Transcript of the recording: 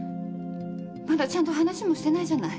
まだちゃんと話もしてないじゃない。